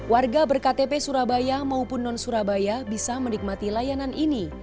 warga berktp surabaya maupun non surabaya bisa menikmati layanan ini